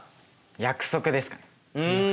約束ですかね。